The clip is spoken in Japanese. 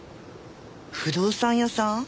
不動産屋さん？